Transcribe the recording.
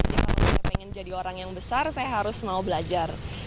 jadi kalau saya pengen jadi orang yang besar saya harus mau belajar